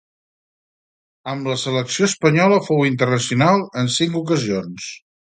Amb la selecció espanyola fou internacional en cinc ocasions.